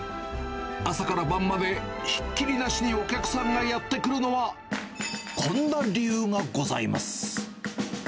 朝から晩までひっきりなしにお客さんがやって来るのは、こんな理由がございます。